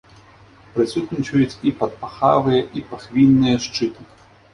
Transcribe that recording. Прысутнічаюць і падпахавыя, і пахвінныя шчыты.